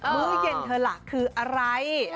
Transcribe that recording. มื้อเย็นเธอล่ะคืออะไร